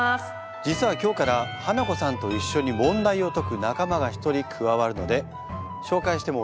実は今日からハナコさんと一緒に問題を解く仲間が１人加わるので紹介してもいいですか？